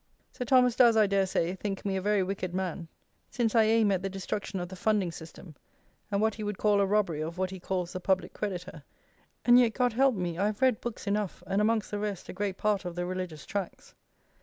Sir Thomas does, I dare say, think me a very wicked man, since I aim at the destruction of the funding system, and what he would call a robbery of what he calls the public creditor; and yet, God help me, I have read books enough, and amongst the rest, a great part of the religious tracts.